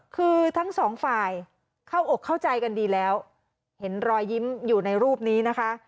คือทั้งสองฝ่ายเข้าอกเข้าใจกันดีแล้วเห็นรอยยิ้มอยู่ในรูปนี้นะคะ